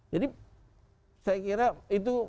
jadi saya kira itu